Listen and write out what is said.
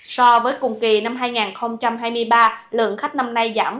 so với cùng kỳ năm hai nghìn hai mươi ba lượng khách năm nay giảm